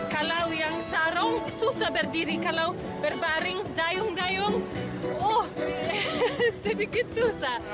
kalau yang sarung susah berdiri kalau berbaring dayung dayung sedikit susah